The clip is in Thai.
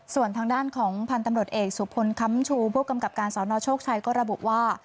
ส่วนทางด้านของพันธมรตเอกสุพลคัมชูผู้กำกับการสาวนอชโศกชัยก็ระบุว่า